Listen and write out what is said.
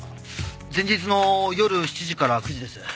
前日の夜７時から９時です。